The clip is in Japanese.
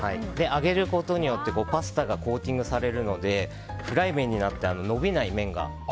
揚げることによってパスタがコーティングされるのでフライ麺になって、伸びない麺が。